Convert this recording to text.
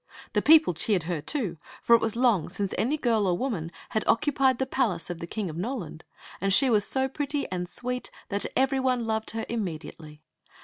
The peo ple cheered W, too; for it was long since any girl or woman had occupied the 52 (>ieen Zixi df Ix; or, the palace of the King of Nolai*^, and she u as so pretty and sweet that every one i )ved her immediately.